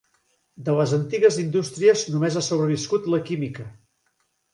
De les antigues indústries només ha sobreviscut la química.